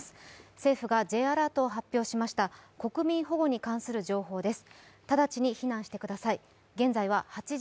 政府がＪアラートを発表しました、国民保護に関する情報です。